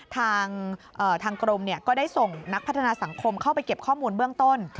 ทางกรมก็ได้ส่งนักพัฒนาสังคมเข้าไปเก็บข้อมูลเบื้องต้น